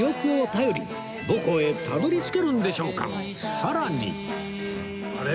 さらに